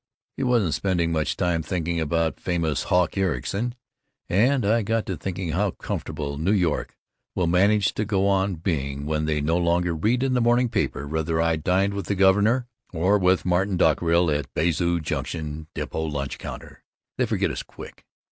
He wasn't spending much time thinking about famous Hawk Ericson, and I got to thinking how comfortable NY will manage to go on being when they no longer read in the morning paper whether I dined with the governor, or with Martin Dockerill at Bazoo Junction Depot Lunch Counter. They forget us quick.